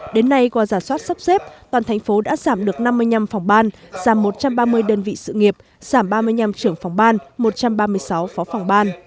đến nay qua giả soát sắp xếp toàn thành phố đã giảm được năm mươi năm phòng ban giảm một trăm ba mươi đơn vị sự nghiệp giảm ba mươi năm trưởng phòng ban một trăm ba mươi sáu phó phòng ban